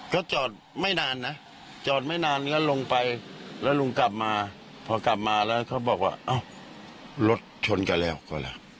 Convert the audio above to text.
กลับมาแล้วเขาบอกว่ารถชนกันแล้วก็แล้ว